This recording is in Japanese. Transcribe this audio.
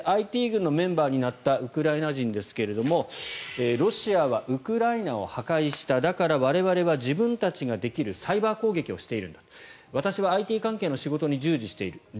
ＩＴ軍のメンバーになったウクライナ人ですがロシアはウクライナを破壊しただから我々は自分たちができるサイバー攻撃をしているんだ私はＩＴ関係の仕事に従事している。